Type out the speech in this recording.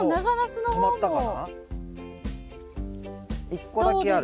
１個だけある。